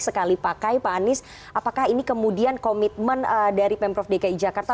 sekali pakai pak anies apakah ini kemudian komitmen dari pemprov dki jakarta